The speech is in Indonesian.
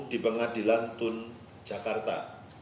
di pengadilan tun jakarta